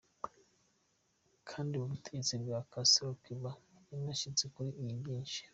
Kandi ku butegetsi bwa Castro, Cuba yarashitse kuri vyinshi.